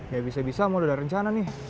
ya bisa bisa mah udah ada rencana nih